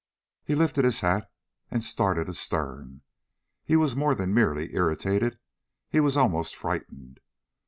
He lifted his hat and started astern. He was more than merely irritated. He was almost frightened.